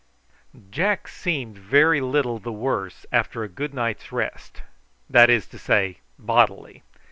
Jack seemed very little the worse after a good night's rest, that is to say bodily.